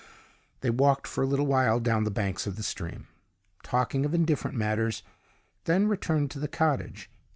They walked for a little while down the banks of the stream, talking of indifferent matters; then returned to the cottage.